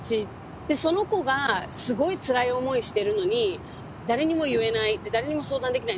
でその子がすごいつらい思いしてるのに誰にも言えないで誰にも相談できない。